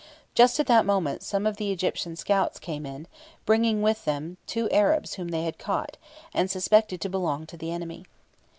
Just at that moment some of the Egyptian scouts came in, bringing with them two Arabs whom they had caught, and suspected to belong to the enemy.